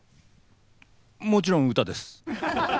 もちろん歌です。